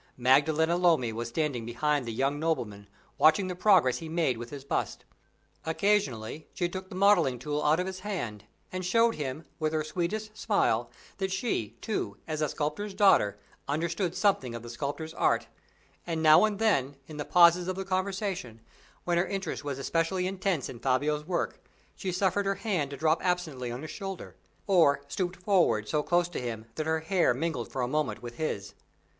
Maddalena Lomi was standing behind the young nobleman, watching the progress he made with his bust. Occasionally she took the modeling tool out of his hand, and showed him, with her sweetest smile, that she, too, as a sculptor's daughter, understood something of the sculptor's art; and now and then, in the pauses of the conversation, when her interest was especially intense in Fabio's work, she suffered her hand to drop absently on his shoulder, or stooped forward so close to him that her hair mingled for a moment with his.